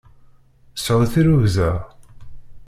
Sɛu tirrugza!